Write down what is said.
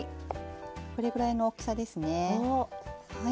これぐらいの大きさですね。